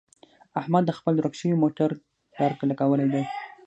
احمد د خپل ورک شوي موټر درک لګولی دی.